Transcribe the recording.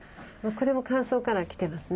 これも乾燥から来てますね。